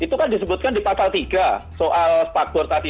itu kan disebutkan di pasal tiga soal spakboard tadi